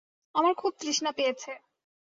আমার খুব তৃষ্ণা পেয়েছে।